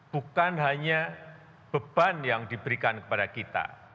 bukan hanya beban yang diberikan kepada kita